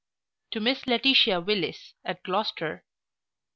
To Miss LAETITIA WILLIS, at Gloucester.